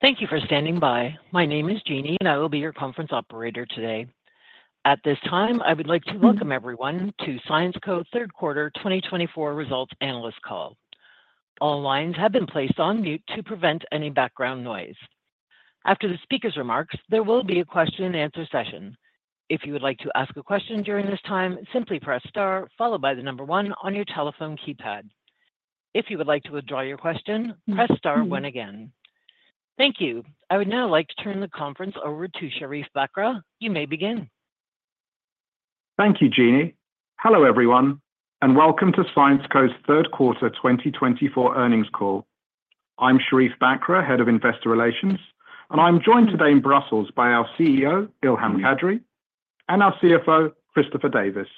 Thank you for standing by. My name is Jeannie, and I will be your conference operator today. At this time, I would like to welcome everyone to Syensqo Third Quarter 2024 Results Analyst Call. All lines have been placed on mute to prevent any background noise. After the speaker's remarks, there will be a question-and-answer session. If you would like to ask a question during this time, simply press star, followed by the number one on your telephone keypad. If you would like to withdraw your question, press star two again. Thank you. I would now like to turn the conference over to Sherief Bakr. You may begin. Thank you, Jeannie. Hello, everyone, and welcome to Syensqo's Third Quarter 2024 Earnings Call. I'm Sherief Bakr, Head of Investor Relations, and I'm joined today in Brussels by our CEO, Ilham Kadri, and our CFO, Christopher Davis.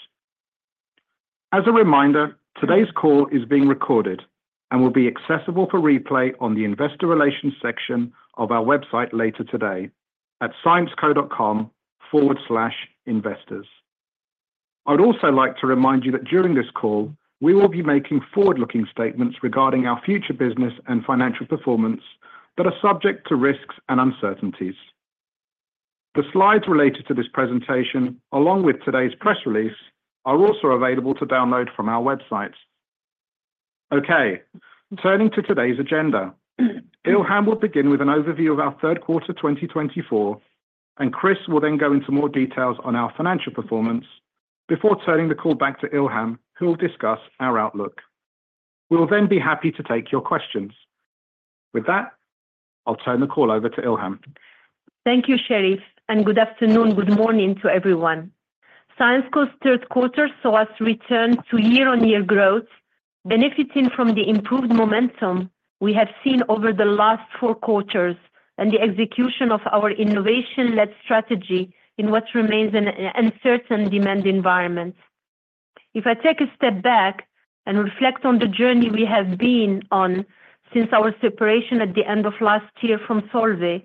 As a reminder, today's call is being recorded and will be accessible for replay on the Investor Relations section of our website later today at syensqo.com/investors. I would also like to remind you that during this call, we will be making forward-looking statements regarding our future business and financial performance that are subject to risks and uncertainties. The slides related to this presentation, along with today's press release, are also available to download from our website. Okay, turning to today's agenda, Ilham will begin with an overview of our Third Quarter 2024, and Chris will then go into more details on our financial performance before turning the call back to Ilham, who will discuss our outlook. We'll then be happy to take your questions. With that, I'll turn the call over to Ilham. Thank you, Sherief, and good afternoon, good morning to everyone. Syensqo's Third Quarter saw us return to year-on-year growth, benefiting from the improved momentum we have seen over the last four quarters and the execution of our innovation-led strategy in what remains an uncertain demand environment. If I take a step back and reflect on the journey we have been on since our separation at the end of last year from Solvay,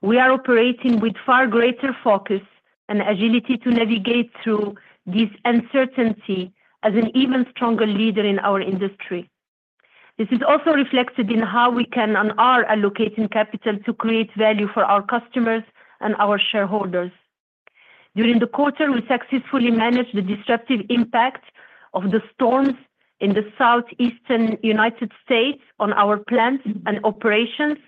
we are operating with far greater focus and agility to navigate through this uncertainty as an even stronger leader in our industry. This is also reflected in how we can and are allocating capital to create value for our customers and our shareholders. During the quarter, we successfully managed the disruptive impact of the storms in the southeastern United States on our plants and operations,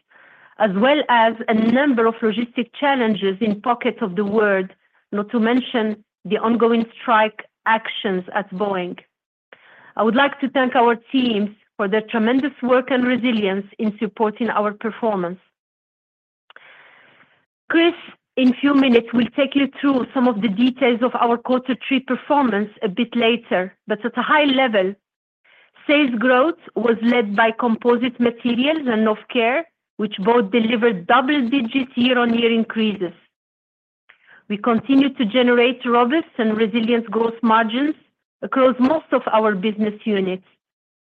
as well as a number of logistic challenges in pockets of the world, not to mention the ongoing strike actions at Boeing. I would like to thank our teams for their tremendous work and resilience in supporting our performance. Chris, in a few minutes, will take you through some of the details of our quarter three performance a bit later, but at a high level, sales growth was led by Composite Materials and healthcare, which both delivered double-digit year-on-year increases. We continued to generate robust and resilient gross margins across most of our business units,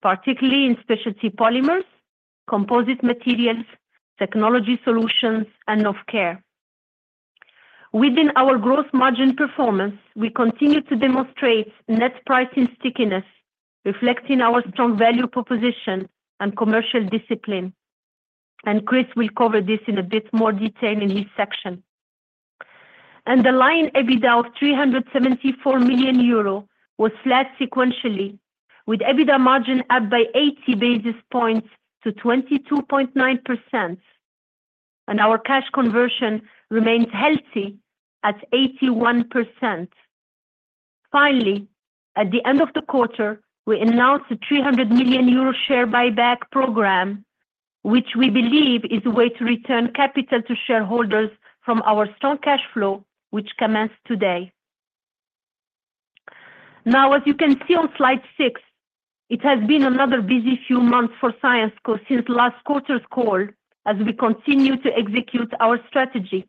particularly in Specialty Polymers, Composite Materials, Technology Solutions, and healthcare. Within our gross margin performance, we continue to demonstrate net pricing stickiness, reflecting our strong value proposition and commercial discipline, and Chris will cover this in a bit more detail in his section. Underlying EBITDA of 374 million euro was flat sequentially, with EBITDA margin up by 80 basis points to 22.9%, and our cash conversion remained healthy at 81%. Finally, at the end of the quarter, we announced a 300 million euro share buyback program, which we believe is a way to return capital to shareholders from our strong cash flow, which commenced today. Now, as you can see on slide six, it has been another busy few months for Syensqo since last quarter's call as we continue to execute our strategy.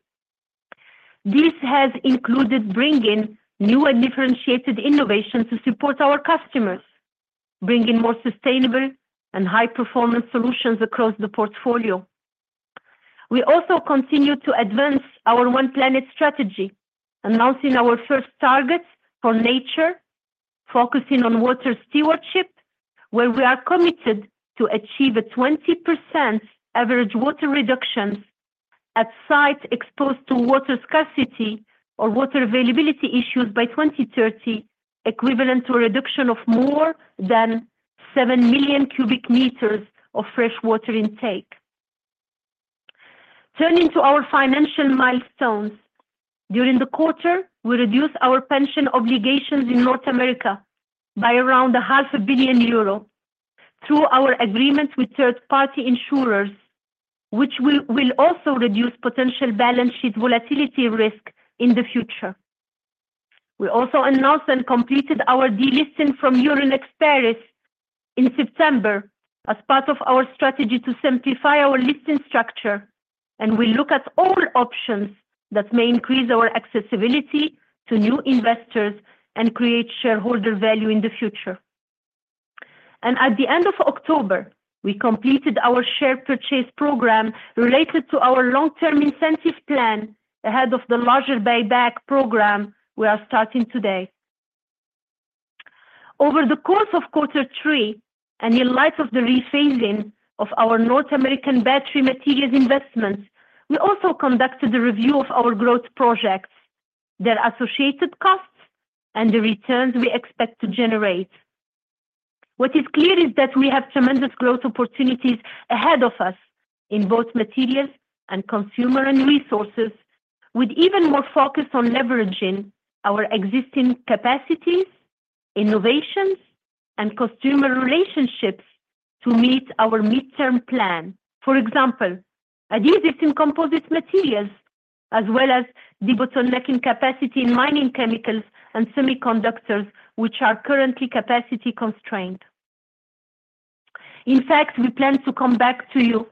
This has included bringing new and differentiated innovation to support our customers, bringing more sustainable and high-performance solutions across the portfolio. We also continue to advance our One Planet strategy, announcing our first targets for nature, focusing on water stewardship, where we are committed to achieve a 20% average water reductions at sites exposed to water scarcity or water availability issues by 2030, equivalent to a reduction of more than 7 million cubic meters of freshwater intake. Turning to our financial milestones, during the quarter, we reduced our pension obligations in North America by around 500 million euro through our agreement with third-party insurers, which will also reduce potential balance sheet volatility risk in the future. We also announced and completed our delisting from Euronext Paris in September as part of our strategy to simplify our listing structure, and we look at all options that may increase our accessibility to new investors and create shareholder value in the future. At the end of October, we completed our share purchase program related to our long-term incentive plan ahead of the larger buyback program we are starting today. Over the course of quarter three, and in light of the rephasing of our North American battery Materials investments, we also conducted a review of our growth projects, their associated costs, and the returns we expect to generate. What is clear is that we have tremendous growth opportunities ahead of us in both Materials and consumer resources, with even more focus on leveraging our existing capacities, innovations, and customer relationships to meet our mid-term plan. For example, an expansion of Composite Materials, as well as the debottlenecking capacity in mining chemicals and semiconductors, which are currently capacity constrained. In fact, we plan to come back to you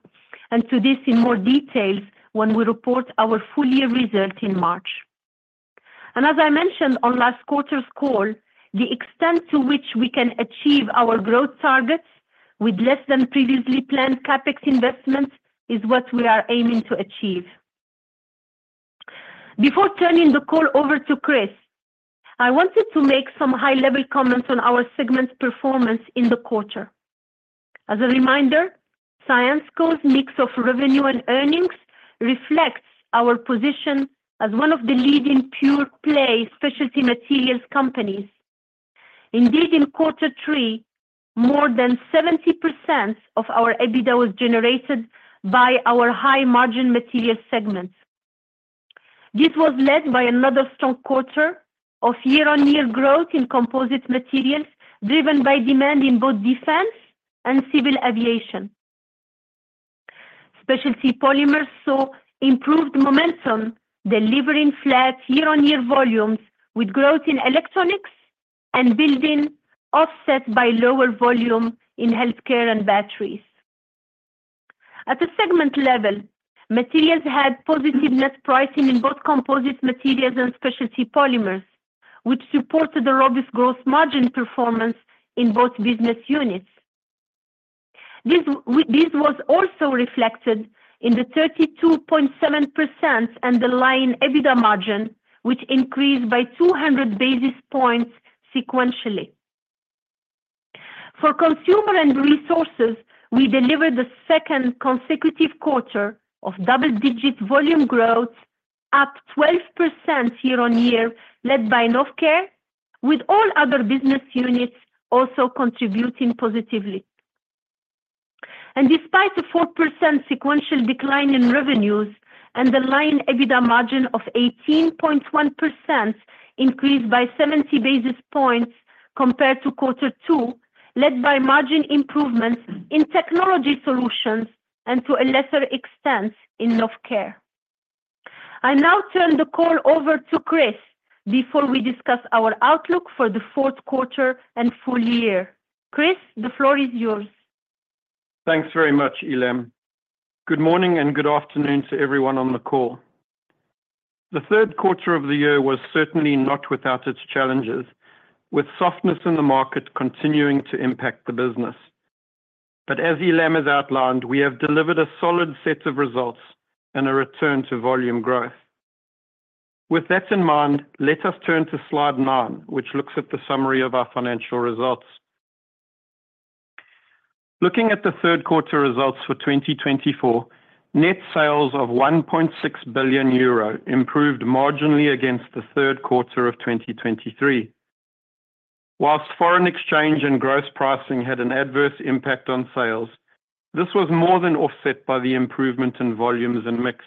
and to this in more detail when we report our full-year results in March. As I mentioned on last quarter's call, the extent to which we can achieve our growth targets with less than previously planned CapEx investments is what we are aiming to achieve. Before turning the call over to Chris, I wanted to make some high-level comments on our segment's performance in the quarter. As a reminder, Syensqo's mix of revenue and earnings reflects our position as one of the leading pure-play specialty Materials companies. Indeed, in quarter three, more than 70% of our EBITDA was generated by our high-margin Materials segment. This was led by another strong quarter of year-on-year growth in Composite Materials, driven by demand in both defense and civil aviation. Specialty polymers saw improved momentum, delivering flat year-on-year volumes with growth in electronics and building offset by lower volume in healthcare and batteries. At the segment level, Materials had positive net pricing in both Composite Materials and Specialty Polymers, which supported a robust gross margin performance in both business units. This was also reflected in the 32.7% underlying EBITDA margin, which increased by 200 basis points sequentially. For Consumer & Resources, we delivered the second consecutive quarter of double-digit volume growth, up 12% year-on-year, led by healthcare, with all other business units also contributing positively, and despite a 4% sequential decline in revenues, underlying EBITDA margin of 18.1% increased by 70 basis points compared to quarter two, led by margin improvements in Technology Solutions and to a lesser extent in healthcare. I now turn the call over to Chris before we discuss our outlook for the fourth quarter and full year. Chris, the floor is yours. Thanks very much, Ilham. Good morning and good afternoon to everyone on the call. The third quarter of the year was certainly not without its challenges, with softness in the market continuing to impact the business. But as Ilham has outlined, we have delivered a solid set of results and a return to volume growth. With that in mind, let us turn to slide nine, which looks at the summary of our financial results. Looking at the third quarter results for 2024, net sales of 1.6 billion euro improved marginally against the third quarter of 2023. While foreign exchange and gross pricing had an adverse impact on sales, this was more than offset by the improvement in volumes and mix.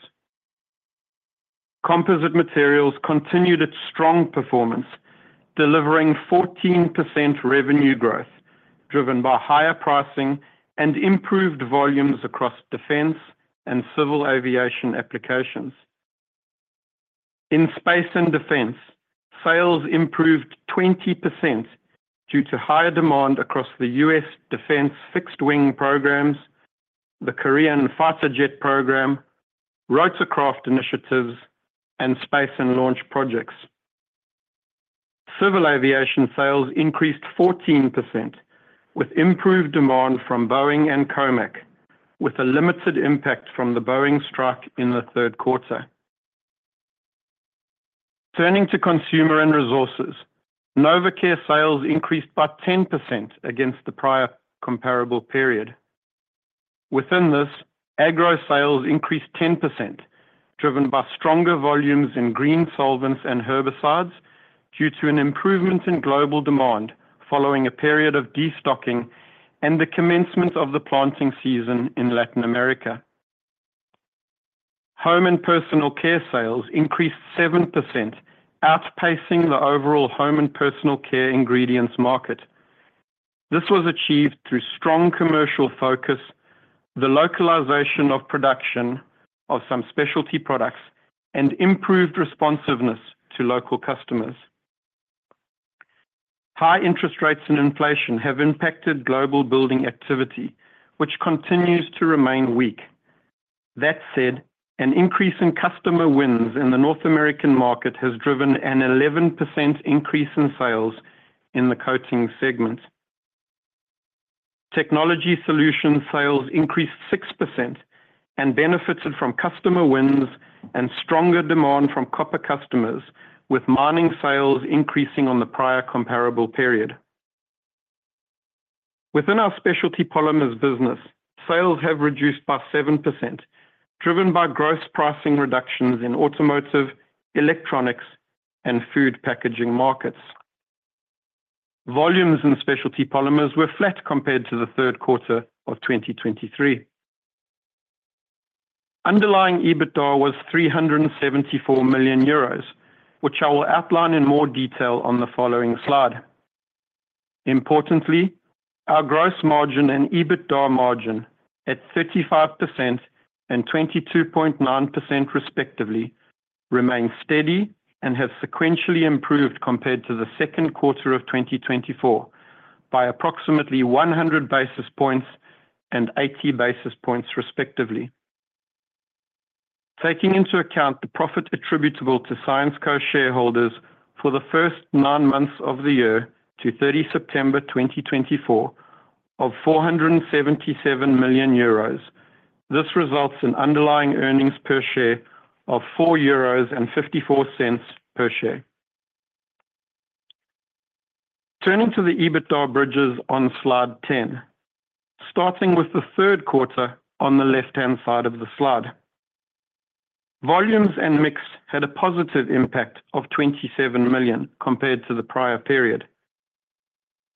Composite Materials continued its strong performance, delivering 14% revenue growth, driven by higher pricing and improved volumes across defense and civil aviation applications. In space and defense, sales improved 20% due to higher demand across the U.S. defense fixed-wing programs, the Korean KF-21 Boramae program, rotorcraft initiatives, and space and launch projects. Civil aviation sales increased 14%, with improved demand from Boeing and COMAC, with a limited impact from the Boeing strike in the third quarter. Turning to Consumer & Resources, Novecare sales increased by 10% against the prior comparable period. Within this, agro sales increased 10%, driven by stronger volumes in green solvents and herbicides due to an improvement in global demand following a period of destocking and the commencement of the planting season in Latin America. Home and personal care sales increased 7%, outpacing the overall home and personal care ingredients market. This was achieved through strong commercial focus, the localization of production of some specialty products, and improved responsiveness to local customers. High interest rates and inflation have impacted global building activity, which continues to remain weak. That said, an increase in customer wins in the North American market has driven an 11% increase in sales in the coating segment. Technology Solutions sales increased 6% and benefited from customer wins and stronger demand from copper customers, with mining sales increasing on the prior comparable period. Within our Specialty Polymers business, sales have reduced by 7%, driven by gross pricing reductions in automotive, electronics, and food packaging markets. Volumes in Specialty Polymers were flat compared to the third quarter of 2023. Underlying EBITDA was 374 million euros, which I will outline in more detail on the following slide. Importantly, our gross margin and EBITDA margin at 35% and 22.9% respectively remain steady and have sequentially improved compared to the second quarter of 2024 by approximately 100 basis points and 80 basis points respectively. Taking into account the profit attributable to Syensqo shareholders for the first nine months of the year to 30 September 2024 of 477 million euros, this results in underlying earnings per share of 4.54 euros per share. Turning to the EBITDA bridges on slide 10, starting with the third quarter on the left-hand side of the slide. Volumes and mix had a positive impact of 27 million compared to the prior period.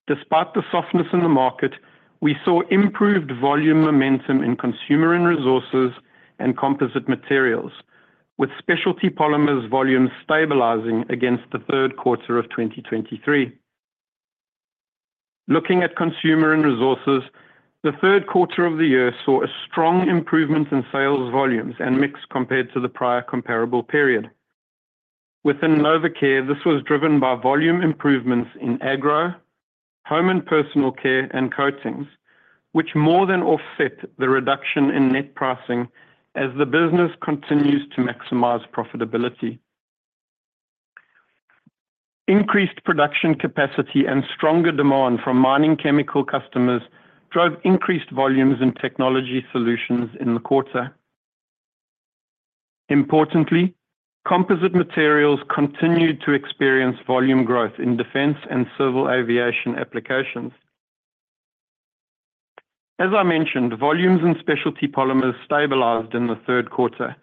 Despite the softness in the market, we saw improved volume momentum in Consumer & Resources and Composite Materials, with Specialty Polymers volumes stabilizing against the third quarter of 2023. Looking at Consumer & Resources, the third quarter of the year saw a strong improvement in sales volumes and mix compared to the prior comparable period. Within Novecare, this was driven by volume improvements in agro, home and personal care, and coatings, which more than offset the reduction in net pricing as the business continues to maximize profitability. Increased production capacity and stronger demand from mining chemical customers drove increased volumes in Technology Solutions in the quarter. Importantly, Composite Materials continued to experience volume growth in defense and civil aviation applications. As I mentioned, volumes in Specialty Polymers stabilized in the third quarter,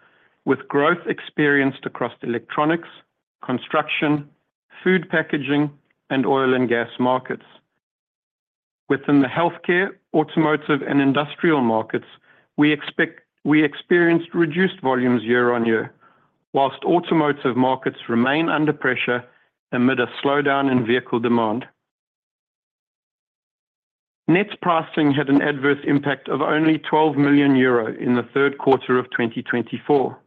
with growth experienced across electronics, construction, food packaging, and Oil & Gas markets. Within the healthcare, automotive, and industrial markets, we experienced reduced volumes year-on-year, whilst automotive markets remain under pressure amid a slowdown in vehicle demand. Net pricing had an adverse impact of only 12 million euro in the third quarter of 2024.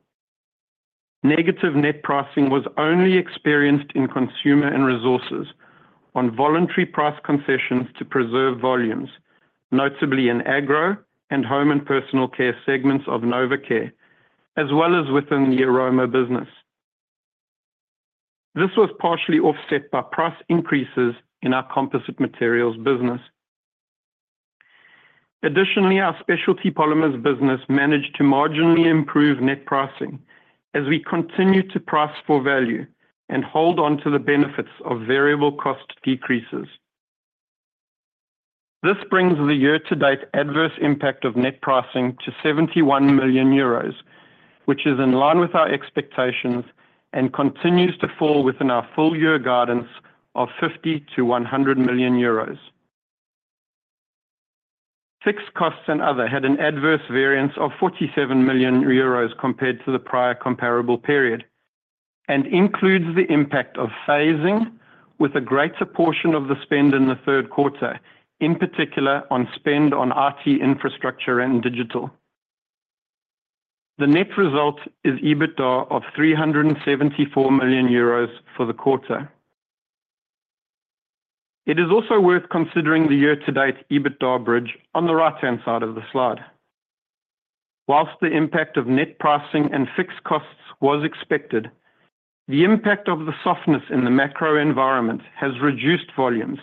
Negative net pricing was only experienced in Consumer & Resources on voluntary price concessions to preserve volumes, notably in agro and home and personal care segments of Novecare, as well as within the Aroma business. This was partially offset by price increases in our Composite Materials business. Additionally, our Specialty Polymers business managed to marginally improve net pricing as we continue to price for value and hold on to the benefits of variable cost decreases. This brings the year-to-date adverse impact of net pricing to 71 million euros, which is in line with our expectations and continues to fall within our full year guidance of 50 million-100 million euros. Fixed costs and other had an adverse variance of 47 million euros compared to the prior comparable period and includes the impact of phasing with a greater portion of the spend in the third quarter, in particular on spend on IT infrastructure and digital. The net result is EBITDA of 374 million euros for the quarter. It is also worth considering the year-to-date EBITDA bridge on the right-hand side of the slide. While the impact of net pricing and fixed costs was expected, the impact of the softness in the macro environment has reduced volumes,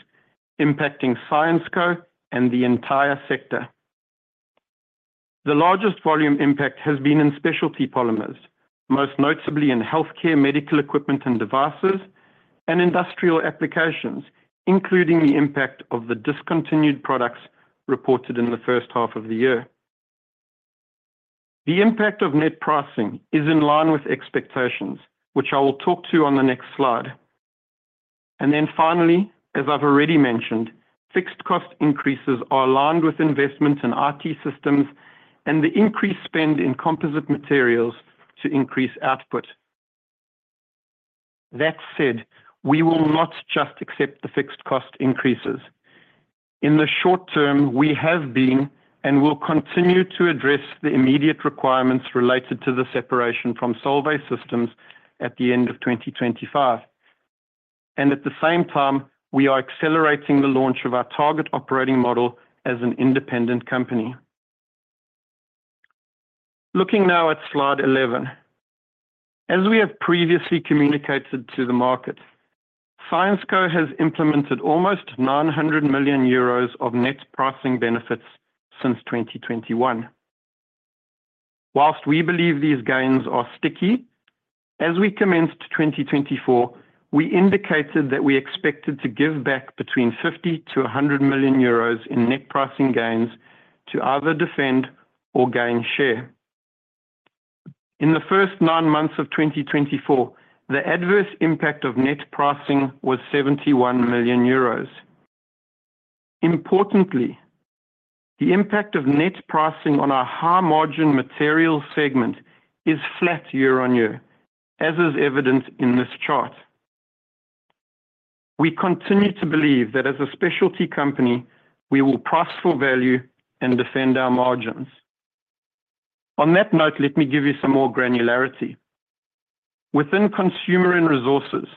impacting Syensqo and the entire sector. The largest volume impact has been in Specialty Polymers, most notably in healthcare medical equipment and devices, and industrial applications, including the impact of the discontinued products reported in the first half of the year. The impact of net pricing is in line with expectations, which I will talk to on the next slide. And then finally, as I've already mentioned, fixed cost increases are aligned with investment in IT systems and the increased spend in Composite Materials to increase output. That said, we will not just accept the fixed cost increases. In the short term, we have been and will continue to address the immediate requirements related to the separation from Solvay systems at the end of 2025. And at the same time, we are accelerating the launch of our target operating model as an independent company. Looking now at Slide 11, as we have previously communicated to the market, Syensqo has implemented almost 900 million euros of net pricing benefits since 2021. While we believe these gains are sticky, as we commenced 2024, we indicated that we expected to give back between 50million-100 million euros in net pricing gains to either defend or gain share. In the first nine months of 2024, the adverse impact of net pricing was 71 million euros. Importantly, the impact of net pricing on our high-margin Materials segment is flat year-on-year, as is evident in this chart. We continue to believe that as a specialty company, we will price for value and defend our margins. On that note, let me give you some more granularity. Within Consumer & Resources,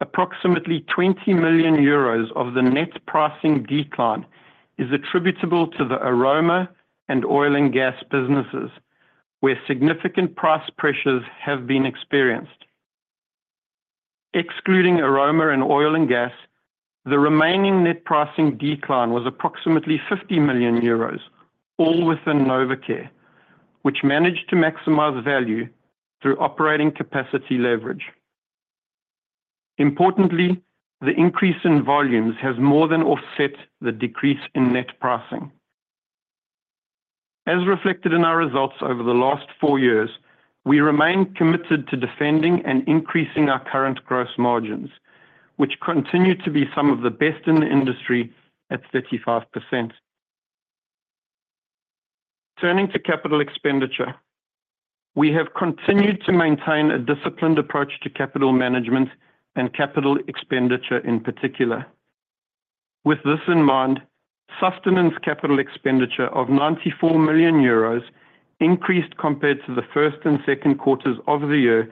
approximately 20 million euros of the net pricing decline is attributable to the Aroma and Oil & Gas businesses, where significant price pressures have been experienced. Excluding Aroma and Oil & Gas, the remaining net pricing decline was approximately 50 million euros, all within Novecare, which managed to maximize value through operating capacity leverage. Importantly, the increase in volumes has more than offset the decrease in net pricing. As reflected in our results over the last four years, we remain committed to defending and increasing our current gross margins, which continue to be some of the best in the industry at 35%. Turning to capital expenditure, we have continued to maintain a disciplined approach to capital management and capital expenditure in particular. With this in mind, sustaining capital expenditure of 94 million euros increased compared to the first and second quarters of the year,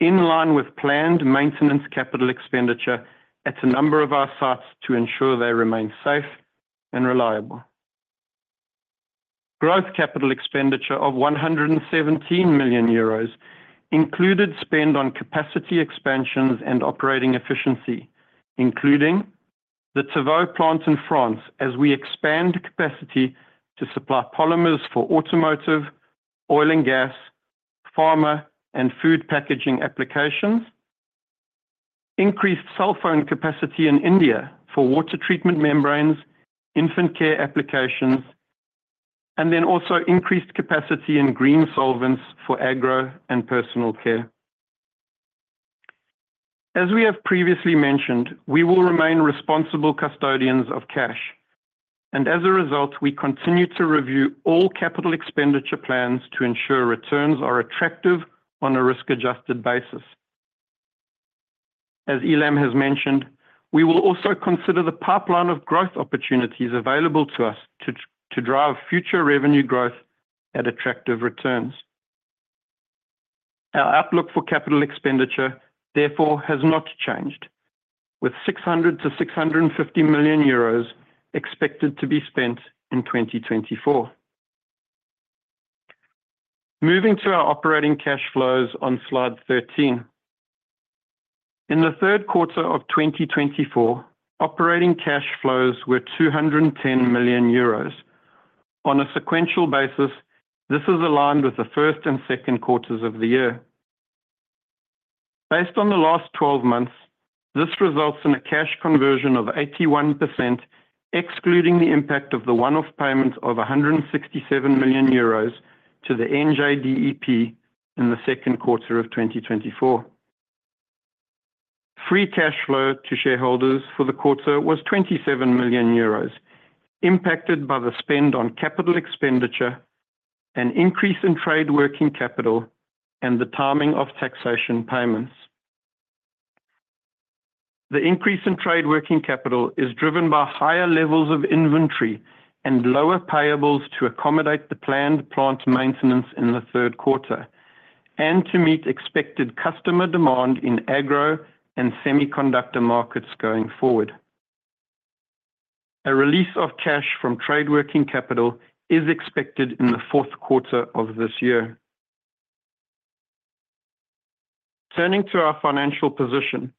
in line with planned maintenance capital expenditure at a number of our sites to ensure they remain safe and reliable. Growth capital expenditure of 117 million euros included spend on capacity expansions and operating efficiency, including the Tavaux plant in France, as we expand capacity to supply polymers for automotive, Oil & Gas, pharma, and food packaging applications. Increased sulfone capacity in India for water treatment membranes, infant care applications. And then also increased capacity in green solvents for agro and personal care. As we have previously mentioned, we will remain responsible custodians of cash, and as a result, we continue to review all capital expenditure plans to ensure returns are attractive on a risk-adjusted basis. As Ilham has mentioned, we will also consider the pipeline of growth opportunities available to us to drive future revenue growth at attractive returns. Our outlook for capital expenditure, therefore, has not changed, with 600 million-650 million euros expected to be spent in 2024. Moving to our operating cash flows on slide 13. In the third quarter of 2024, operating cash flows were 210 million euros. On a sequential basis, this is aligned with the first and second quarters of the year. Based on the last twelve months, this results in a cash conversion of 81%, excluding the impact of the one-off payment of 167 million euros to the NJDEP in the second quarter of 2024. Free cash flow to shareholders for the quarter was 27 million euros, impacted by the spend on capital expenditure, an increase in trade working capital, and the timing of taxation payments. The increase in trade working capital is driven by higher levels of inventory and lower payables to accommodate the planned plant maintenance in the third quarter and to meet expected customer demand in agro and semiconductor markets going forward. A release of cash from trade working capital is expected in the fourth quarter of this year. Turning to our financial position,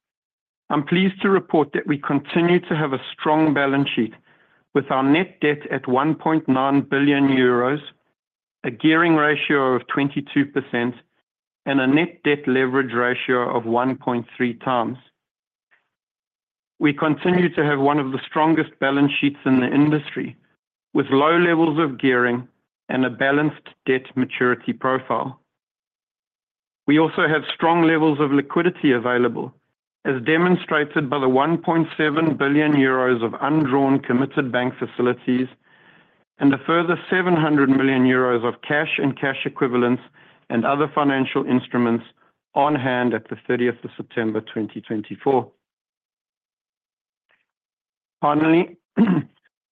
I'm pleased to report that we continue to have a strong balance sheet with our net debt at 1.9 billion euros, a gearing ratio of 22%, and a net debt leverage ratio of 1.3 times. We continue to have one of the strongest balance sheets in the industry, with low levels of gearing and a balanced debt maturity profile. We also have strong levels of liquidity available, as demonstrated by the 1.7 billion euros of undrawn committed bank facilities and a further 700 million euros of cash and cash equivalents and other financial instruments on hand at the 30th of September 2024. Finally,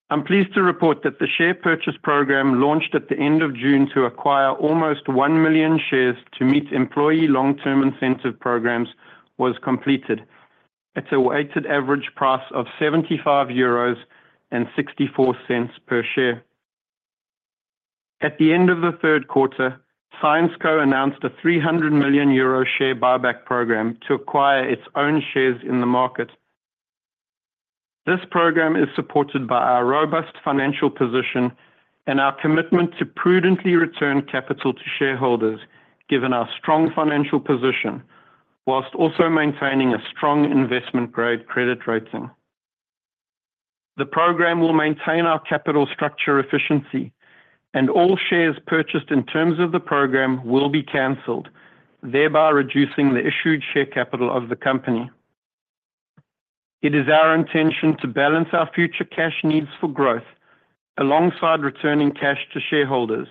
I'm pleased to report that the share purchase program launched at the end of June to acquire almost one million shares to meet employee long-term incentive programs was completed at a weighted average price of 75.64 euros per share. At the end of the third quarter, Syensqo announced a 300 million euro share buyback program to acquire its own shares in the market. This program is supported by our robust financial position and our commitment to prudently return capital to shareholders, given our strong financial position, while also maintaining a strong investment-grade credit rating. The program will maintain our capital structure efficiency, and all shares purchased in terms of the program will be canceled, thereby reducing the issued share capital of the company. It is our intention to balance our future cash needs for growth alongside returning cash to shareholders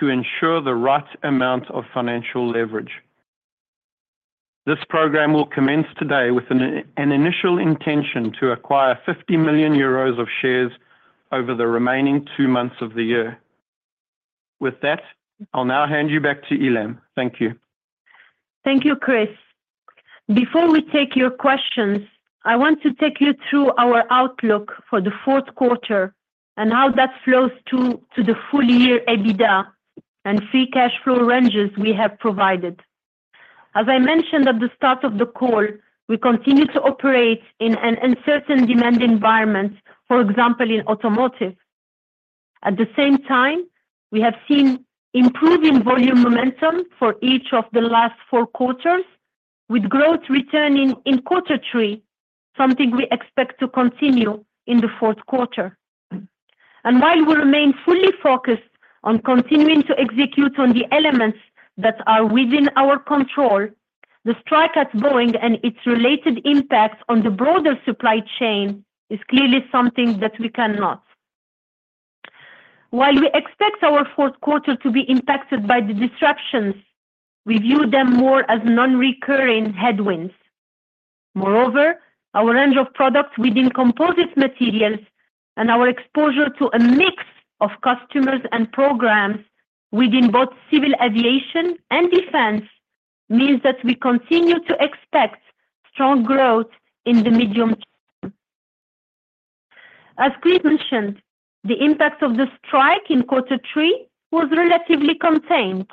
to ensure the right amount of financial leverage. This program will commence today with an initial intention to acquire 50 million euros of shares over the remaining two months of the year. With that, I'll now hand you back to Ilham. Thank you. Thank you, Chris. Before we take your questions, I want to take you through our outlook for the fourth quarter and how that flows to the full year EBITDA and free cash flow ranges we have provided. As I mentioned at the start of the call, we continue to operate in an uncertain demand environment, for example, in automotive. At the same time, we have seen improving volume momentum for each of the last four quarters, with growth returning in quarter three, something we expect to continue in the fourth quarter. And while we remain fully focused on continuing to execute on the elements that are within our control, the strike at Boeing and its related impact on the broader supply chain is clearly something that we cannot. While we expect our fourth quarter to be impacted by the disruptions, we view them more as non-recurring headwinds. Moreover, our range of products within Composite Materials and our exposure to a mix of customers and programs within both civil aviation and defense means that we continue to expect strong growth in the medium term. As Chris mentioned, the impact of the strike in quarter three was relatively contained.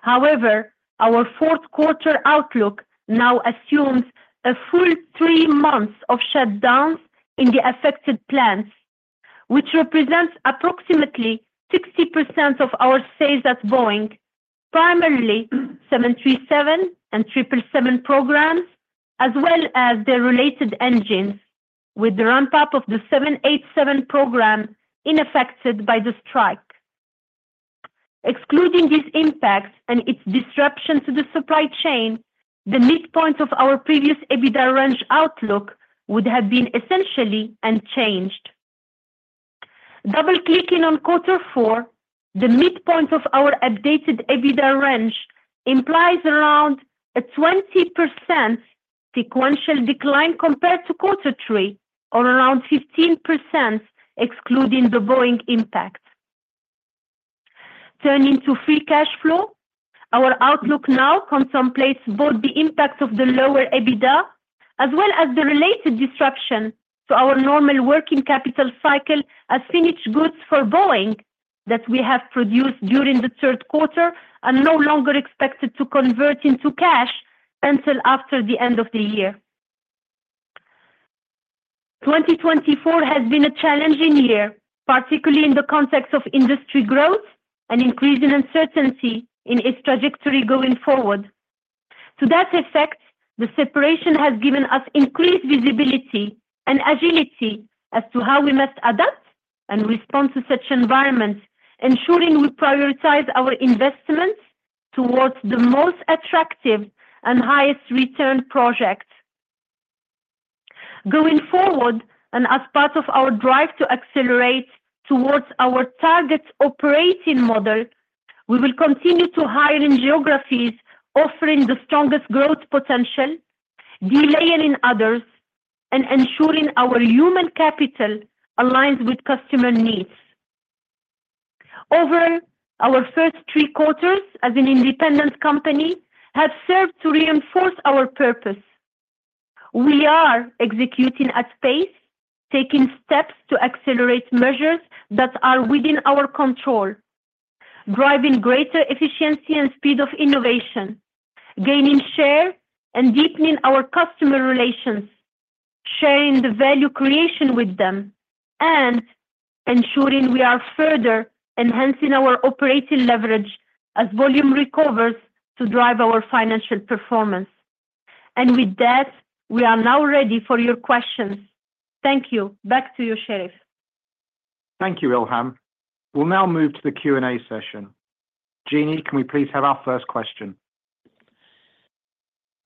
However, our fourth quarter outlook now assumes a full three months of shutdowns in the affected plants, which represents approximately 60% of our sales at Boeing, primarily 737 and 777 programs, as well as the related engines, with the ramp-up of the 787 program unaffected by the strike. Excluding this impact and its disruption to the supply chain, the midpoint of our previous EBITDA range outlook would have been essentially unchanged. Double-clicking on quarter four, the midpoint of our updated EBITDA range implies around a 20% sequential decline compared to quarter three, or around 15%, excluding the Boeing impact. Turning to free cash flow, our outlook now contemplates both the impact of the lower EBITDA, as well as the related disruption to our normal working capital cycle as finished goods for Boeing that we have produced during the third quarter and no longer expected to convert into cash until after the end of the year. 2024 has been a challenging year, particularly in the context of industry growth and increasing uncertainty in its trajectory going forward. To that effect, the separation has given us increased visibility and agility as to how we must adapt and respond to such environments, ensuring we prioritize our investments towards the most attractive and highest return projects. Going forward, and as part of our drive to accelerate towards our target operating model, we will continue to hire in geographies offering the strongest growth potential, delaying in others, and ensuring our human capital aligns with customer needs. Over our first three quarters, as an independent company, have served to reinforce our purpose. We are executing at pace, taking steps to accelerate measures that are within our control, driving greater efficiency and speed of innovation, gaining share and deepening our customer relations, sharing the value creation with them, and ensuring we are further enhancing our operating leverage as volume recovers to drive our financial performance, and with that, we are now ready for your questions. Thank you. Back to you, Sherief. Thank you, Ilham. We'll now move to the Q&A session. Jeannie, can we please have our first question?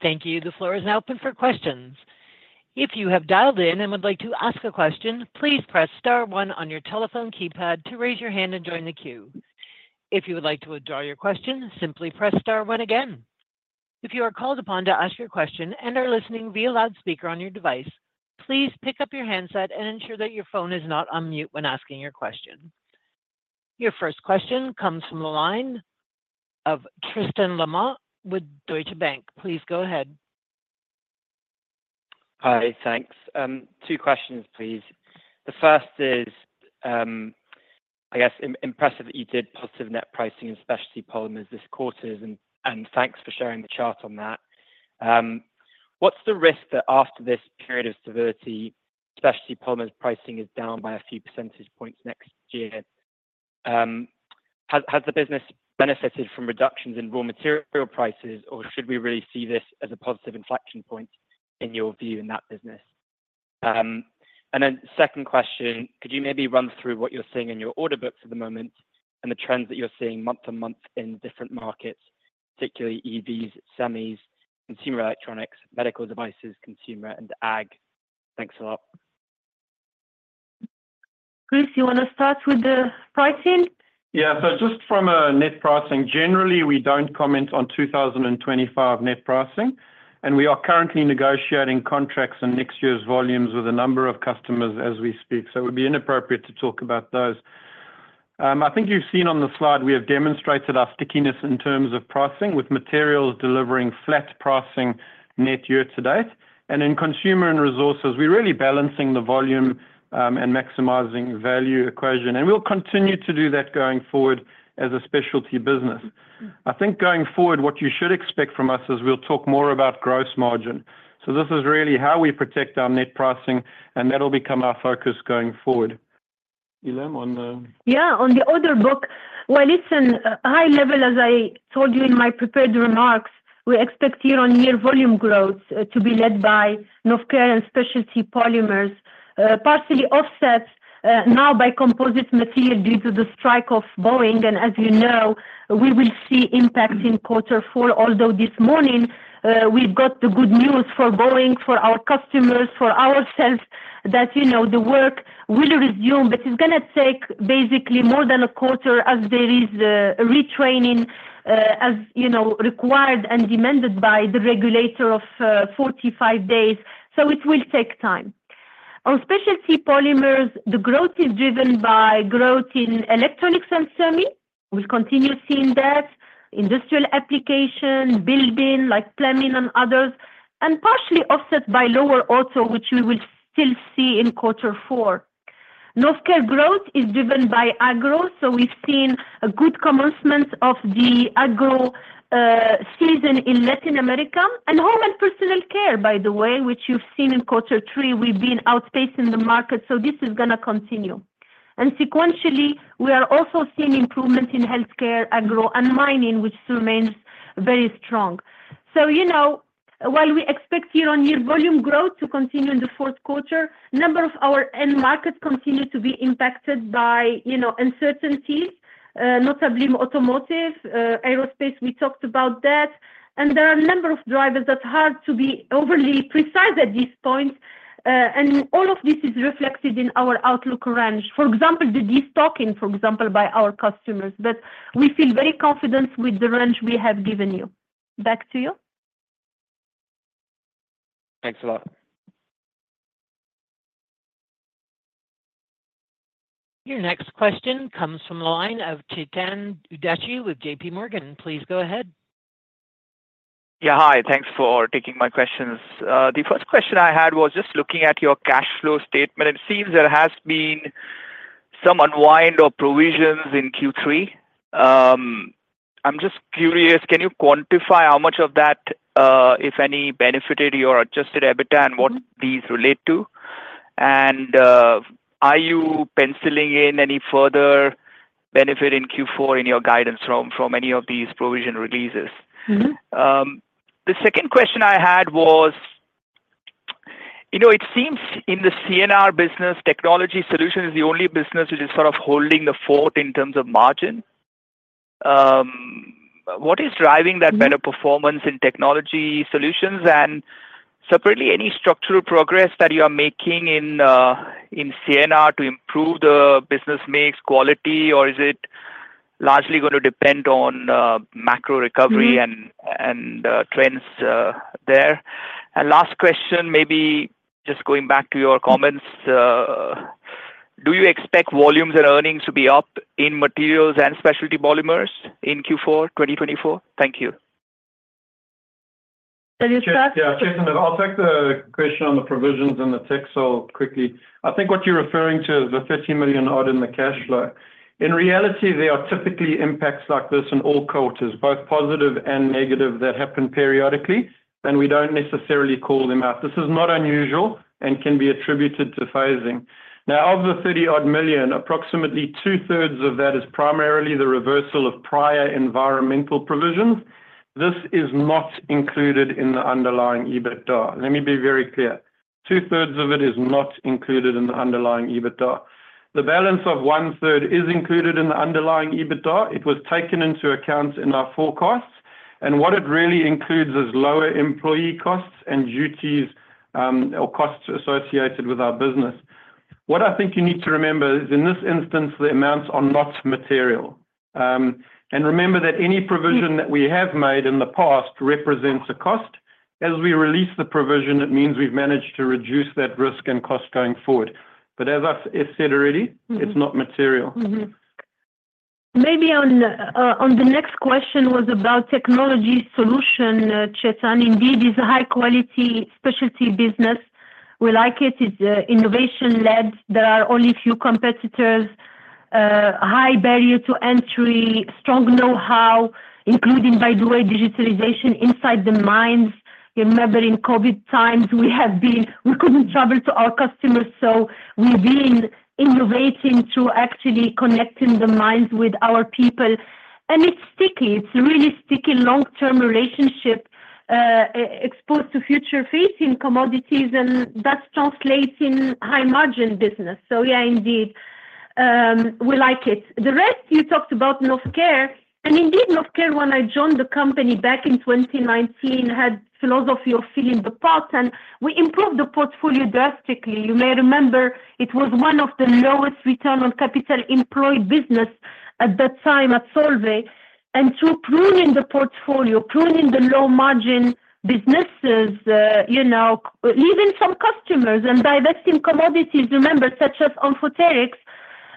Thank you. The floor is now open for questions. If you have dialed in and would like to ask a question, please press star one on your telephone keypad to raise your hand and join the queue. If you would like to withdraw your question, simply press star one again. If you are called upon to ask your question and are listening via loudspeaker on your device, please pick up your handset and ensure that your phone is not on mute when asking your question. Your first question comes from the line of Tristan Lamotte with Deutsche Bank. Please go ahead. Hi, thanks. Two questions, please. The first is, I guess, impressive that you did positive net pricing in Specialty Polymers this quarter, and thanks for sharing the chart on that. What's the risk that after this period of stability, Specialty Polymers pricing is down by a few percentage points next year? Has the business benefited from reductions in raw material prices, or should we really see this as a positive inflection point in your view in that business? And then second question, could you maybe run through what you're seeing in your order books at the moment and the trends that you're seeing month to month in different markets, particularly EVs, semis, consumer electronics, medical devices, consumer, and ag? Thanks a lot. Chris, you want to start with the pricing? Yeah, so just from a net pricing, generally we don't comment on 2025 net pricing, and we are currently negotiating contracts and next year's volumes with a number of customers as we speak, so it would be inappropriate to talk about those. I think you've seen on the slide we have demonstrated our stickiness in terms of pricing with Materials delivering flat pricing net year to date, and in Consumer & Resources, we're really balancing the volume and maximizing value equation, and we'll continue to do that going forward as a specialty business. I think going forward, what you should expect from us is we'll talk more about gross margin. So this is really how we protect our net pricing, and that'll become our focus going forward. Ilham, on the... Yeah, on the order book. Listen, high level, as I told you in my prepared remarks, we expect year-on-year volume growth to be led by Novecare and Specialty Polymers, partially offset now by composite material due to the strike of Boeing, and as you know, we will see impact in quarter four, although this morning we've got the good news for Boeing, for our customers, for ourselves, that the work will resume, but it's going to take basically more than a quarter as there is a retraining as required and demanded by the regulator of 45 days, so it will take time. On Specialty Polymers, the growth is driven by growth in electronics and semi. We'll continue seeing that. Industrial application, building, like plumbing and others, and partially offset by lower auto, which we will still see in quarter four. Novecare growth is driven by agro, so we've seen a good commencement of the agro season in Latin America, and home and personal care, by the way, which you've seen in quarter three, we've been outpacing the market, so this is going to continue. And sequentially, we are also seeing improvement in healthcare, agro, and mining, which remains very strong. So while we expect year-on-year volume growth to continue in the fourth quarter, a number of our end markets continue to be impacted by uncertainties, notably automotive, aerospace, we talked about that, and there are a number of drivers that's hard to be overly precise at this point, and all of this is reflected in our outlook range. For example, the de-stocking, for example, by our customers, but we feel very confident with the range we have given you. Back to you. Thanks a lot. Your next question comes from the line of Chetan Udeshi with J.P. Morgan. Please go ahead. Yeah, hi. Thanks for taking my questions. The first question I had was just looking at your cash flow statement. It seems there has been some unwind or provisions in Q3. I'm just curious, can you quantify how much of that, if any, benefited your Adjusted EBITDA and what these relate to? And are you penciling in any further benefit in Q4 in your guidance from any of these provision releases? The second question I had was, it seems in the CNR business, Technology Solutions is the only business which is sort of holding the fort in terms of margin. What is driving that better performance in Technology Solutions? And separately, any structural progress that you are making in CNR to improve the business mix quality, or is it largely going to depend on macro recovery and trends there? And last question, maybe just going back to your comments, do you expect volumes and earnings to be up in Materials and Specialty Polymers in Q4 2024? Thank you. Can you start? Yeah, Chetan, I'll take the question on the provisions and the Technology Solutions quickly. I think what you're referring to is the 50 million-odd in the cash flow. In reality, there are typically impacts like this in all quarters, both positive and negative that happen periodically, and we don't necessarily call them out. This is not unusual and can be attributed to phasing. Now, of the 30 million-odd, approximately two-thirds of that is primarily the reversal of prior environmental provisions. This is not included in the Underlying EBITDA. Let me be very clear. Two-thirds of it is not included in the Underlying EBITDA. The balance of one-third is included in the Underlying EBITDA. It was taken into account in our forecasts, and what it really includes is lower employee costs and duties or costs associated with our business. What I think you need to remember is, in this instance, the amounts are not material. And remember that any provision that we have made in the past represents a cost. As we release the provision, it means we've managed to reduce that risk and cost going forward. But as I said already, it's not material. Maybe on the next question was about Technology Solutions, Chetan. Indeed, it's a high-quality specialty business. We like it. It's innovation-led. There are only few competitors. High barrier to entry, strong know-how, including, by the way, digitalization inside the mines. Remember, in COVID times, we couldn't travel to our customers, so we've been innovating through actually connecting the mines with our people. And it's sticky. It's a really sticky long-term relationship exposed to future-facing commodities, and that's translating high-margin business. So yeah, indeed, we like it. The rest, you talked about Novecare, and indeed, Novecare, when I joined the company back in 2019, had a philosophy of filling the pot, and we improved the portfolio drastically. You may remember it was one of the lowest return on capital employed business at that time at Solvay. And through pruning the portfolio, pruning the low-margin businesses, leaving some customers and divesting commodities, remember, such as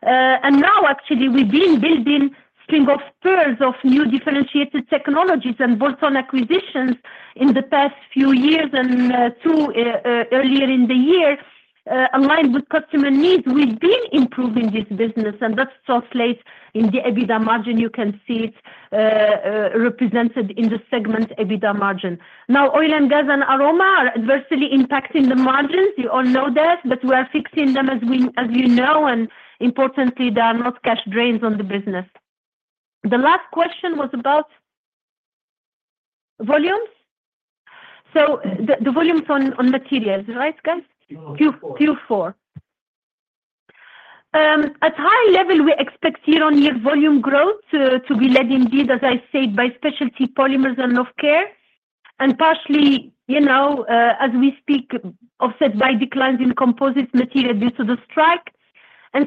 Aroma. Now, actually, we've been building a string of pearls of new differentiated technologies and bolt-on acquisitions in the past few years and two earlier in the year, aligned with customer needs. We've been improving this business, and that's translated in the EBITDA margin. You can see it represented in the segment EBITDA margin. Now, Oil & Gas and Aroma are adversely impacting the margins. You all know that, but we are fixing them, as you know, and importantly, there are not cash drains on the business. The last question was about volumes. So the volumes on Materials, right, guys? Q4. At high level, we expect year-on-year volume growth to be led, indeed, as I said, by Specialty Polymers and Novecare, and partially, as we speak, offset by declines in composite material due to the strike.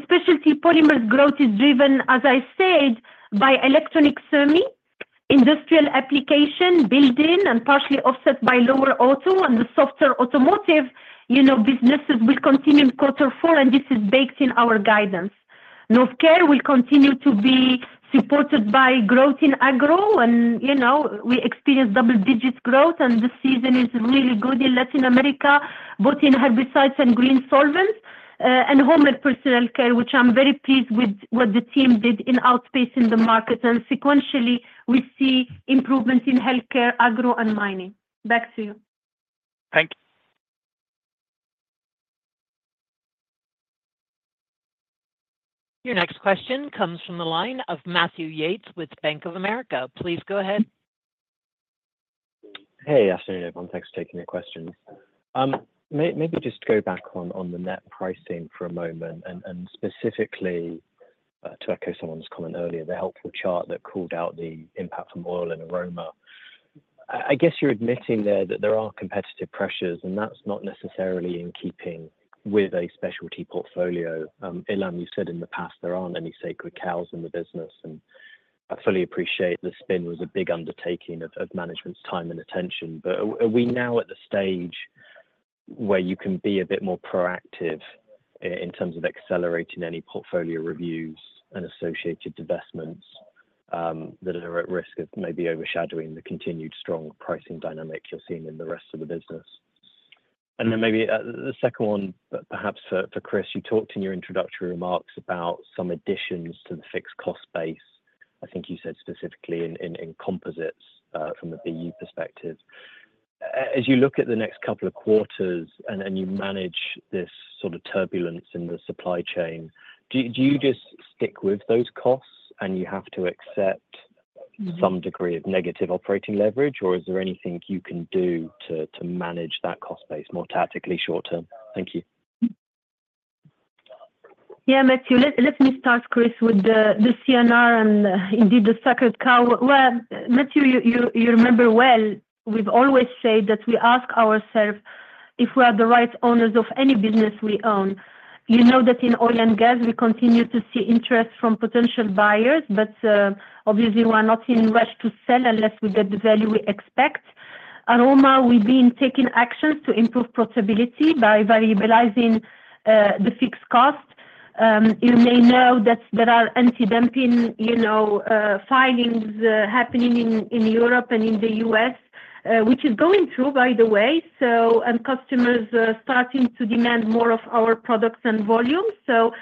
Specialty polymers growth is driven, as I said, by electronic semi, industrial application, building, and partially offset by lower auto and the softer automotive businesses. We'll continue in quarter four, and this is baked in our guidance. Novecare will continue to be supported by growth in agro, and we experienced double-digit growth, and the season is really good in Latin America, both in herbicides and green solvents, and home and personal care, which I'm very pleased with what the team did in outpacing the market. Sequentially, we see improvements in healthcare, agro, and mining. Back to you. Thank you. Your next question comes from the line of Matthew Yates with Bank of America. Please go ahead. Hey, afternoon, everyone. Thanks for taking the question. Maybe just go back on the net pricing for a moment and specifically to echo someone's comment earlier, the helpful chart that called out the impact from oil and aroma. I guess you're admitting there that there are competitive pressures, and that's not necessarily in keeping with a specialty portfolio. Ilham, you've said in the past there aren't any sacred cows in the business, and I fully appreciate the spin was a big undertaking of management's time and attention, but are we now at the stage where you can be a bit more proactive in terms of accelerating any portfolio reviews and associated divestments that are at risk of maybe overshadowing the continued strong pricing dynamic you're seeing in the rest of the business? And then maybe the second one, perhaps for Chris, you talked in your introductory remarks about some additions to the fixed cost base. I think you said specifically in composites from a BU perspective. As you look at the next couple of quarters and you manage this sort of turbulence in the supply chain, do you just stick with those costs and you have to accept some degree of negative operating leverage, or is there anything you can do to manage that cost base more tactically short term? Thank you. Yeah, Matthew, let me start, Chris, with the CNR and indeed the sacred cow. Well, Matthew, you remember well. We've always said that we ask ourselves if we are the right owners of any business we own. You know that in Oil & Gas, we continue to see interest from potential buyers, but obviously, we are not in rush to sell unless we get the value we expect. Aroma, we've been taking actions to improve profitability by variabilizing the fixed cost. You may know that there are anti-dumping filings happening in Europe and in the U.S., which is going through, by the way, and customers are starting to demand more of our products and volumes. So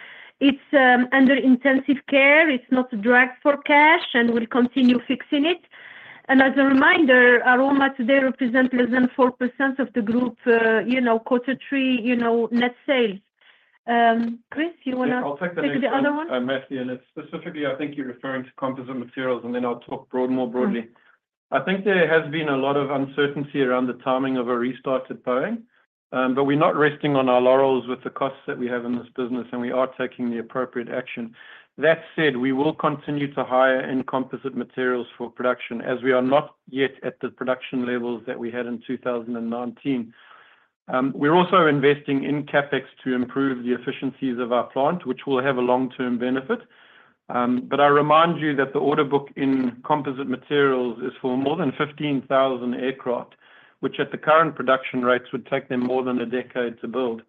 it's under intensive care. It's not a drag for cash, and we'll continue fixing it. And as a reminder, Aroma today represents less than 4% of the group quarter three net sales. Chris, you want to take the other one? I'm Matthew, and it's specifically, I think you're referring to Composite Materials, and then I'll talk more broadly. I think there has been a lot of uncertainty around the timing of a restarted buying, but we're not resting on our laurels with the costs that we have in this business, and we are taking the appropriate action. That said, we will continue to hire in Composite Materials for production as we are not yet at the production levels that we had in 2019. We're also investing in CapEx to improve the efficiencies of our plant, which will have a long-term benefit. But I remind you that the order book in Composite Materials is for more than 15,000 aircraft, which at the current production rates would take them more than a decade to build.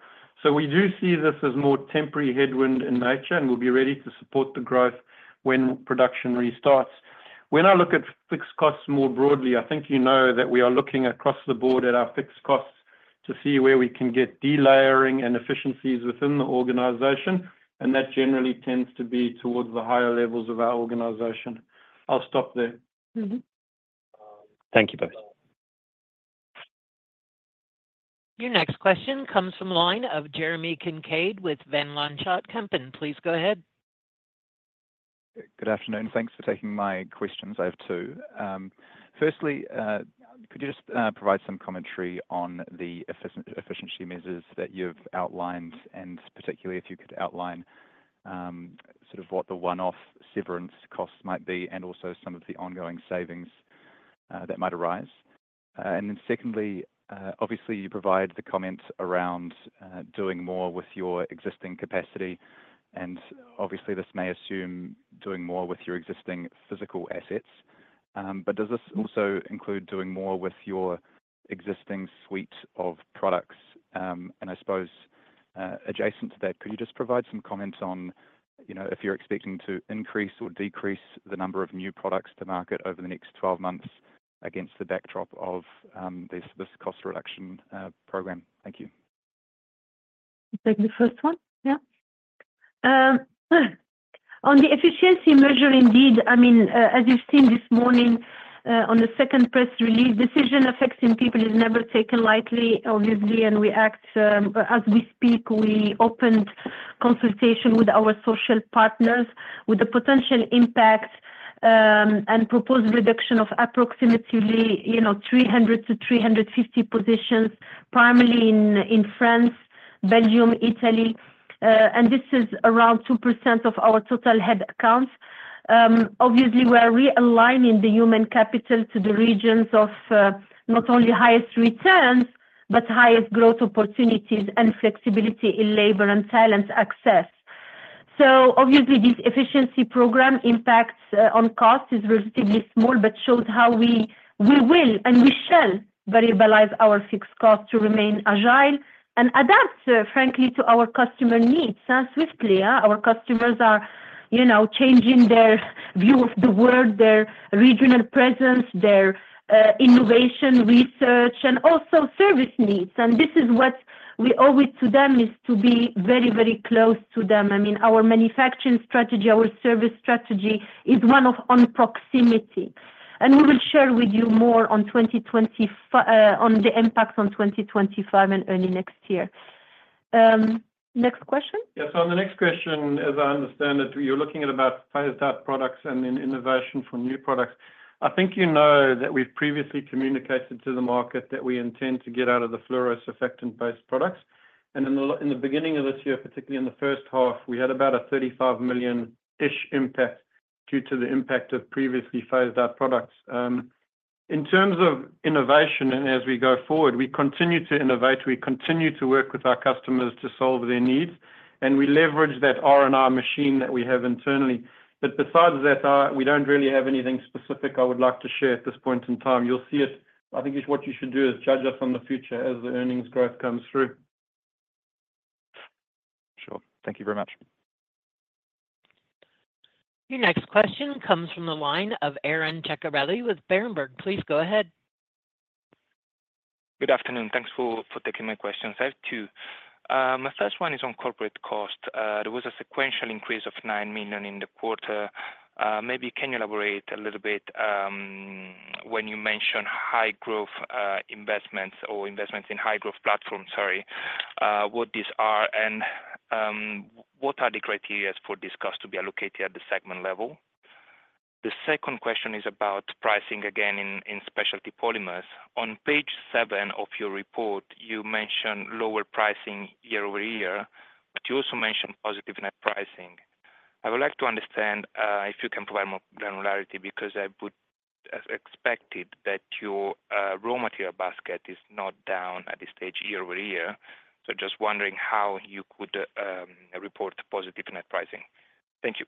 So we do see this as more temporary headwind in nature, and we'll be ready to support the growth when production restarts. When I look at fixed costs more broadly, I think you know that we are looking across the board at our fixed costs to see where we can get delayering and efficiencies within the organization, and that generally tends to be towards the higher levels of our organization. I'll stop there. Thank you both. Your next question comes from the line of Jeremy Kincaid with Van Lanschot Kempen. Please go ahead. Good afternoon. Thanks for taking my questions. I have two. Firstly, could you just provide some commentary on the efficiency measures that you've outlined, and particularly if you could outline sort of what the one-off severance costs might be and also some of the ongoing savings that might arise? And then secondly, obviously, you provide the comment around doing more with your existing capacity, and obviously, this may assume doing more with your existing physical assets. But does this also include doing more with your existing suite of products? And I suppose adjacent to that, could you just provide some comments on if you're expecting to increase or decrease the number of new products to market over the next 12 months against the backdrop of this cost reduction program? Thank you. Take the first one. Yeah. On the efficiency measure, indeed, I mean, as you've seen this morning on the second press release, decisions affecting people are never taken lightly, obviously, and we act as we speak. We opened consultation with our social partners with the potential impact and proposed reduction of approximately 300-350 positions, primarily in France, Belgium, Italy, and this is around 2% of our total headcount. Obviously, we are realigning the human capital to the regions of not only highest returns, but highest growth opportunities and flexibility in labor and talent access. So obviously, this efficiency program impacts on cost is relatively small, but shows how we will and we shall variabilize our fixed costs to remain agile and adapt, frankly, to our customer needs swiftly. Our customers are changing their view of the world, their regional presence, their innovation research, and also service needs. And this is what we owe it to them is to be very, very close to them. I mean, our manufacturing strategy, our service strategy is one of proximity. And we will share with you more on the impacts on 2025 and early next year. Next question? Yes. So on the next question, as I understand it, you're looking at about phased-out products and innovation for new products. I think you know that we've previously communicated to the market that we intend to get out of the fluorosurfactants and base products. And in the beginning of this year, particularly in the first half, we had about a 35 million-ish impact due to the impact of previously phased-out products. In terms of innovation and as we go forward, we continue to innovate. We continue to work with our customers to solve their needs, and we leverage that R&D machine that we have internally. But besides that, we don't really have anything specific I would like to share at this point in time. You'll see it. I think what you should do is judge us on the future as the earnings growth comes through. Sure. Thank you very much. Your next question comes from the line of Aaron Guy with Berenberg. Please go ahead. Good afternoon. Thanks for taking my questions. I have two. My first one is on corporate cost. There was a sequential increase of 9 million in the quarter. Maybe can you elaborate a little bit when you mention high-growth investments or investments in high-growth platforms, sorry, what these are and what are the criteria for these costs to be allocated at the segment level? The second question is about pricing again in Specialty Polymers. On page seven of your report, you mentioned lower pricing year-over-year, but you also mentioned positive net pricing. I would like to understand if you can provide more granularity because I would expect that your raw material basket is not down at this stage year-over-year. So just wondering how you could report positive net pricing. Thank you.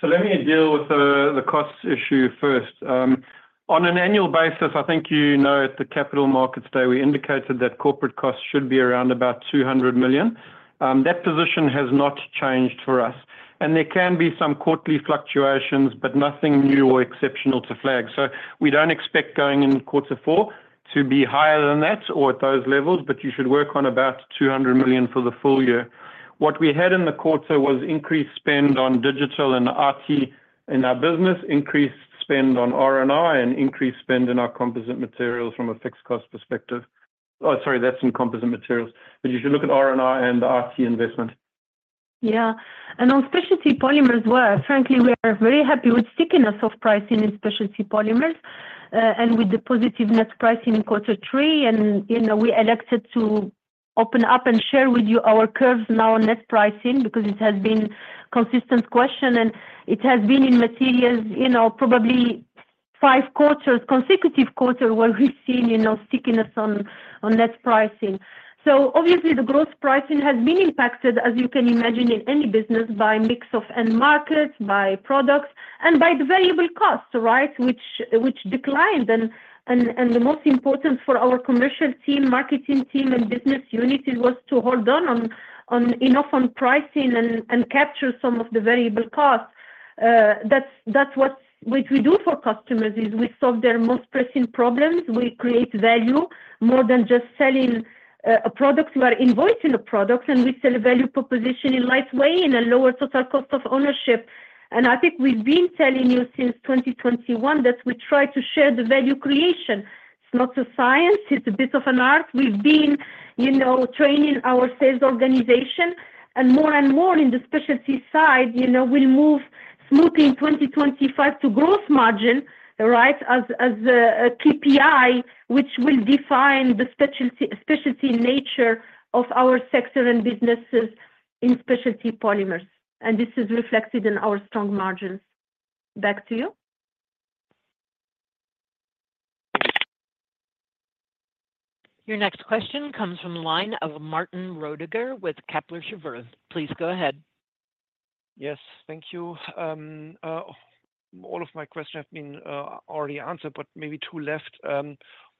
So let me deal with the cost issue first. On an annual basis, I think you know at the capital markets day we indicated that corporate costs should be around about 200 million. That position has not changed for us. There can be some quarterly fluctuations, but nothing new or exceptional to flag. We don't expect going in quarter four to be higher than that or at those levels, but you should work on about 200 million for the full year. What we had in the quarter was increased spend on digital and IT in our business, increased spend on R&I, and increased spend in our Composite Materials from a fixed cost perspective. Oh, sorry, that's in Composite Materials. You should look at R&I and IT investment. Yeah. On Specialty Polymers we are, frankly, very happy with sticking to our pricing in Specialty Polymers and with the positive net pricing in quarter three. And we elected to open up and share with you our curves now on net pricing because it has been a consistent question, and it has been in Materials probably five quarters, consecutive quarters where we've seen sticking with us on net pricing. So obviously, the gross pricing has been impacted, as you can imagine, in any business by mix of end markets, by products, and by the variable cost, right, which declined. And the most important for our commercial team, marketing team, and business unit was to hold on enough on pricing and capture some of the variable costs. That's what we do for customers is we solve their most pressing problems. We create value more than just selling a product. We are not invoicing a product, and we sell a value proposition in lightweight and a lower total cost of ownership. And I think we've been telling you since 2021 that we try to share the value creation. It's not a science. It's a bit of an art. We've been training our sales organization, and more and more in the specialty side, we'll move smoothly in 2025 to gross margin, right, as a KPI, which will define the specialty nature of our sector and businesses in Specialty Polymers. And this is reflected in our strong margins. Back to you. Your next question comes from the line of Martin Roediger with Kepler Cheuvreux. Please go ahead. Yes. Thank you. All of my questions have been already answered, but maybe two left.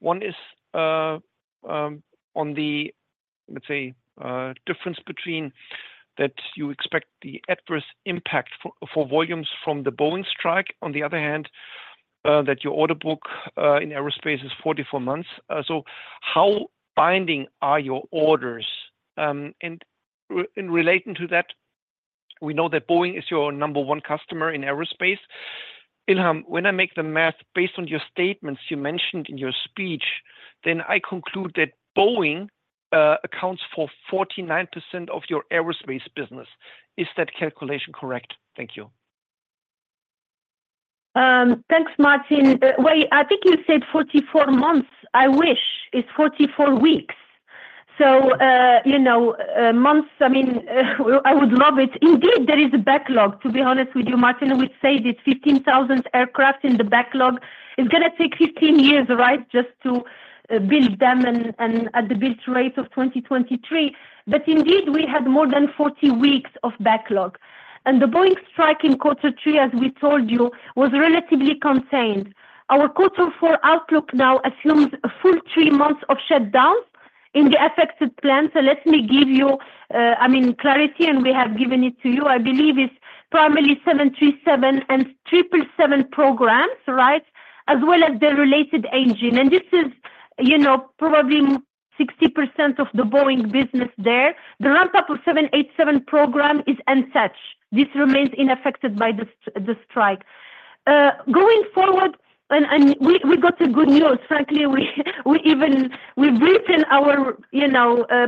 One is on the, let's say, difference between that you expect the adverse impact for volumes from the Boeing strike. On the other hand, that your order book in aerospace is 44 months. So how binding are your orders? In relating to that, we know that Boeing is your number one customer in aerospace. Ilham, when I make the math based on your statements you mentioned in your speech, then I conclude that Boeing accounts for 49% of your aerospace business. Is that calculation correct? Thank you. Thanks, Martin. I think you said 44 months. I wish it's 44 weeks. So months, I mean, I would love it. Indeed, there is a backlog. To be honest with you, Martin, we say there's 15,000 aircraft in the backlog. It's going to take 15 years, right, just to build them at the build rate of 2023. But indeed, we had more than 40 weeks of backlog. And the Boeing strike in quarter three, as we told you, was relatively contained. Our quarter four outlook now assumes a full three months of shutdown in the affected plants. Let me give you, I mean, clarity, and we have given it to you. I believe it's primarily 737 and 777 programs, right, as well as the related engine. This is probably 60% of the Boeing business there. The ramp-up of 787 program is untouched. This remains unaffected by the strike. Going forward, we got the good news. Frankly, we've written our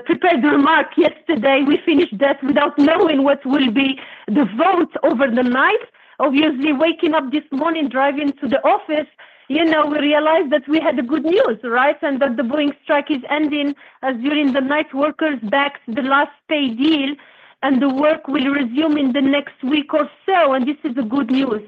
prepared remark yesterday. We finished that without knowing what will be the vote over the night. Obviously, waking up this morning, driving to the office, we realized that we had the good news, right, and that the Boeing strike is ending as during the night, workers backed the last pay deal, and the work will resume in the next week or so. This is the good news.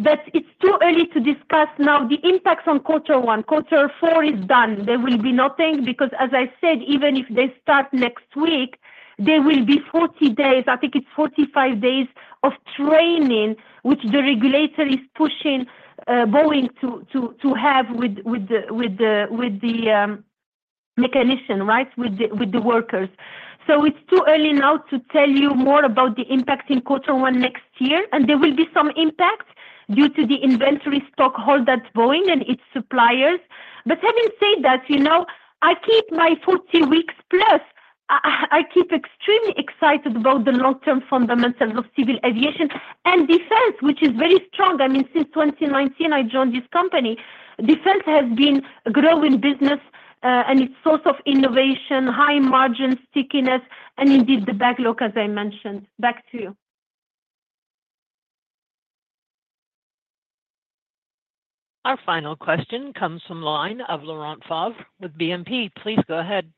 It's too early to discuss now the impacts on quarter one. Quarter four is done. There will be nothing because, as I said, even if they start next week, there will be 40 days. I think it's 45 days of training, which the regulator is pushing Boeing to have with the mechanician, right, with the workers. So it's too early now to tell you more about the impact in quarter one next year, and there will be some impact due to the inventory stock hold at Boeing and its suppliers. But having said that, I keep my 40 weeks plus. I keep extremely excited about the long-term fundamentals of civil aviation and defense, which is very strong. I mean, since 2019, I joined this company. Defense has been a growing business, and its source of innovation, high margin stickiness, and indeed the backlog, as I mentioned. Back to you. Our final question comes from the line of Laurent Favre with BNP Paribas. Please go ahead.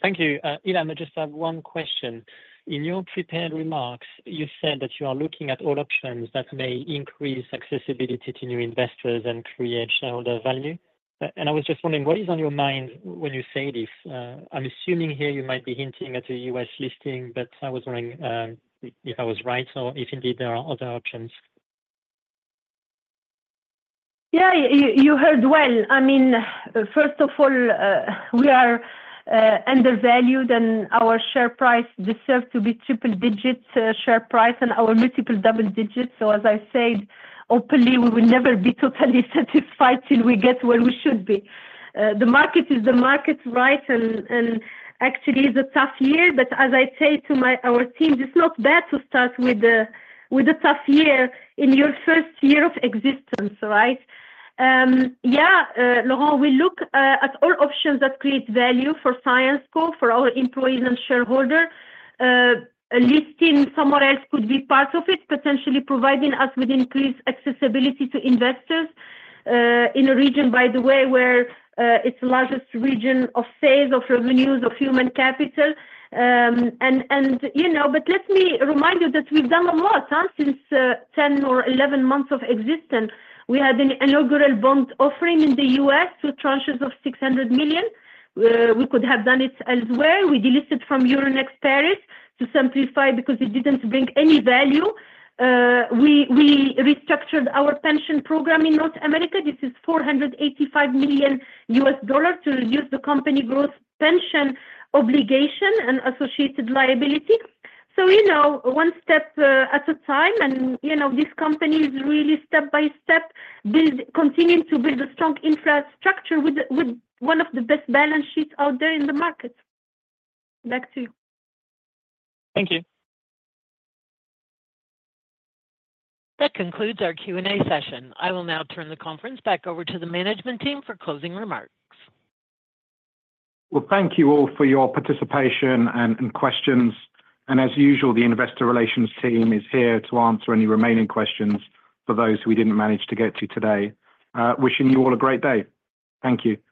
Thank you. Ilham, I just have one question. In your prepared remarks, you said that you are looking at all options that may increase accessibility to new investors and create shareholder value. And I was just wondering, what is on your mind when you say this? I'm assuming here you might be hinting at a U.S. listing, but I was wondering if I was right or if indeed there are other options. Yeah, you heard well. I mean, first of all, we are undervalued, and our share price deserves to be triple-digit share price and our multiple double digits. So as I said, openly, we will never be totally satisfied till we get where we should be. The market is the market, right? And actually, it's a tough year. But as I say to our team, it's not bad to start with a tough year in your first year of existence, right? Yeah. Laurent, we look at all options that create value for Syensqo, for our employees and shareholders. Listing somewhere else could be part of it, potentially providing us with increased accessibility to investors in a region, by the way, where it's the largest region of sales, of revenues, of human capital. And but let me remind you that we've done a lot since 10 or 11 months of existence. We had an inaugural bond offering in the U.S. two tranches of 600 million. We could have done it elsewhere. We delisted from Euronext Paris to simplify because it didn't bring any value. We restructured our pension program in North America. This is $485 million to reduce the company gross pension obligation and associated liability. So one step at a time. And this company is really step by step continuing to build a strong infrastructure with one of the best balance sheets out there in the market. Back to you. Thank you. That concludes our Q&A session. I will now turn the conference back over to the management team for closing remarks. Well, thank you all for your participation and questions. And as usual, the investor relations team is here to answer any remaining questions for those we didn't manage to get to today. Wishing you all a great day. Thank you.